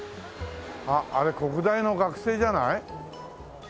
あっあれ国大の学生じゃない？